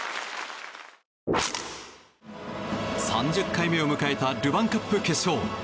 ３０回目を迎えたルヴァンカップ決勝。